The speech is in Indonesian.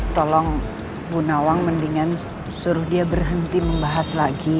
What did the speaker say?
tolong bu nawang mendingan suruh dia berhenti membahas lagi